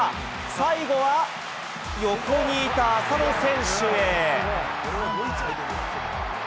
最後は横にいた浅野選手へ。